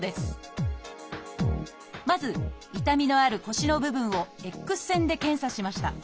まず痛みのある腰の部分をＸ線で検査しました。